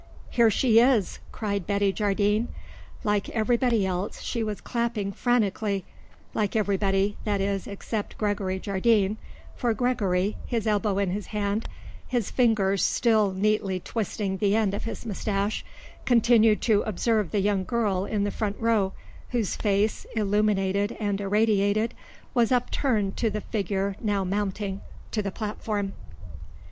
"Here she is!" cried Betty Jardine. Like everybody else she was clapping frantically, like everybody, that is, except Gregory Jardine; for Gregory, his elbow in his hand, his fingers still neatly twisting the end of his moustache, continued to observe the young girl in the front row, whose face, illuminated and irradiated, was upturned to the figure now mounting to the platform.